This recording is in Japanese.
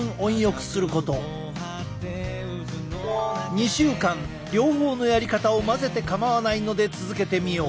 ２週間両方のやりかたを混ぜて構わないので続けてみよう。